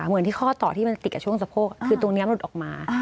เหมือนที่ข้อต่อที่มันติดกับช่วงสะโพกคือตรงนี้มันหลุดออกมา